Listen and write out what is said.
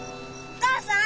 お母さん！